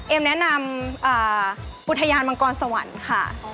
แนะนำอุทยานมังกรสวรรค์ค่ะ